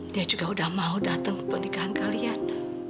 dia juga udah mau datang ke pernikahan kalian